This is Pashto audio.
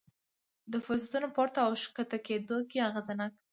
د فرصتونو په پورته او ښکته کېدو کې اغېزناک دي.